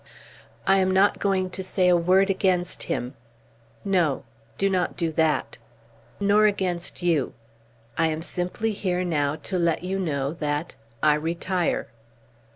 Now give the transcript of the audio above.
"I am not going to say a word against him." "No; do not do that." "Nor against you. I am simply here now to let you know that I retire."